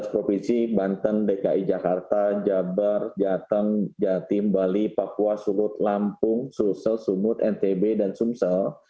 tujuh belas provinsi banten dki jakarta jabar jateng jatim bali papua sulut lampung sulsel sumut ntb dan sumsel